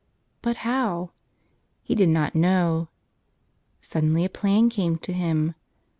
But how? He did not know. Suddenly a plan came to him.